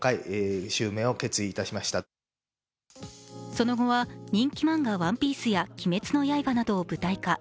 その後は人気漫画「ＯＮＥＰＩＥＣＥ」や「鬼滅の刃」などを舞台化。